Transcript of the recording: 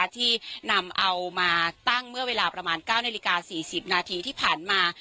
ที่นำเอามาตั้งเมื่อเวลาประมาณ๙นาฬิกา๔๐นาทีที่ผ่านมา